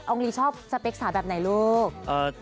อองลีชอบสเปกสาแบบบนะคะ